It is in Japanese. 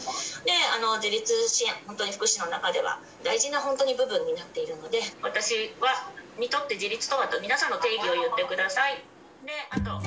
自立支援、福祉の中では大事な本当に部分になっているので、私にとって自立とはと、皆さんの定義を言ってください。